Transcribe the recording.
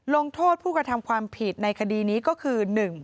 ลงโทษผู้กระทำความผิดในคดีนี้ก็คือ